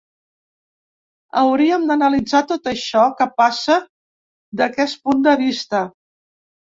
Hauríem d’analitzar tot això que passa d’aquest punt de vista.